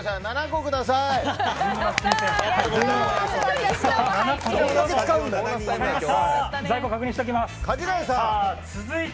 ７個ください！